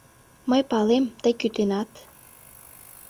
Мый палем, тый кӱтенат...